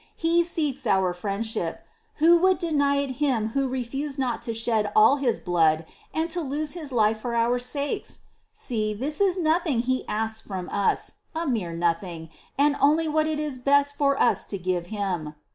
He seeks our friendship : who would deny it Him Who refused not to shed all His blood and to lose His life for our sakes ? See, this is nothing He asks from us, a mere nothing, and only what it is best for us to give Him.